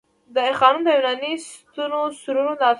د آی خانم د یوناني ستونو سرونه د افریقايي شیرانو په شکل وو